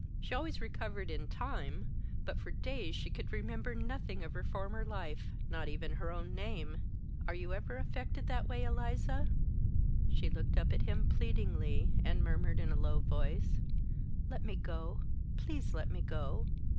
"She always recovered in time, but for days she could remember nothing of her former life not even her own name. Are you ever affected that way Eliza?" She looked up at him pleadingly, and murmured in a low voice: "Let me go! Please let me go!"